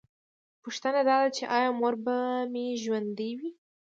پوښتنه دا ده چې ایا مور به مې ژوندۍ وي